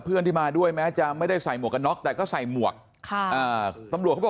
เพื่อนที่มาด้วยแม้จะไม่ได้ใส่หมวกกันน็อคแต่ก็ใส่หมวกตำรวจ